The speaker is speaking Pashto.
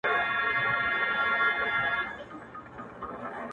په يو تن كي سل سرونه سل غليمه؛